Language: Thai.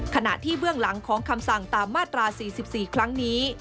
ขณะที่เบื้องหลังของคำสั่งตามมาตรา๔๔ครั้งนี้